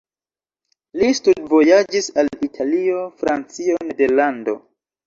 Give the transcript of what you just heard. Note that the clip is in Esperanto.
Li studvojaĝis al Italio, Francio, Nederlando.